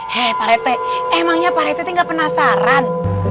hei parete emangnya parete gak penasaran